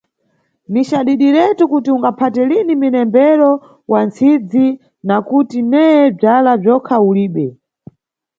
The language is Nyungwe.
Ni cadidiretu kuti ungaphate lini mnembero wa ntsidzi, nakuti neye bzala bzokha ulibe!